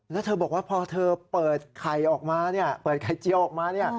แล้วเธอบอกว่าพอเธอเปิดไข่ออกมาเปิดไข่เจียวออกมา